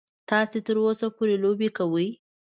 تاسو تر اوسه پورې لوبې کوئ.